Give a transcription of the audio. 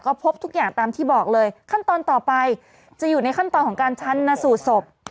ก็พบทุกอย่างตามที่บอกเลยขั้นตอนต่อไปจะอยู่ในขั้นตอนของการชั้นนสูตรศพ